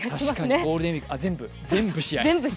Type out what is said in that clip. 確かにゴールデンウイーク全部試合。